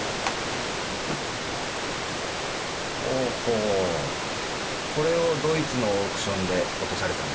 ほうほうこれをドイツのオークションで落とされたんですね。